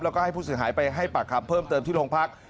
แล้วก็ให้ผู้เสียหายไปให้ปากคำเพิ่มเติมที่โรงพัก